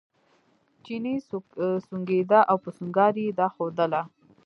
چیني سونګېده او په سونګاري یې دا ښودله.